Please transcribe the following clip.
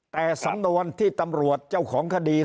แต่สำนวนที่ตำรวจเจ้าของคดี